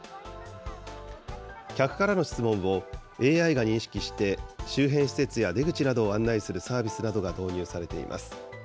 客からの質問をＡＩが認識して、周辺施設や出口などを案内するサービスなどが導入されています。